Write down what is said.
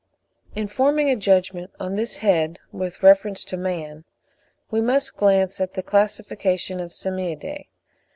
In forming a judgment on this head with reference to man, we must glance at the classification of the Simiadae.